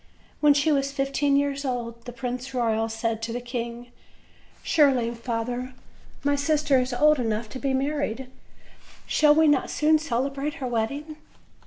When she was fifteen years old the Prince Eoyal said to the king: "Surely, father, my sister is old enough to be married; shall we not soon celebrate her wedding?"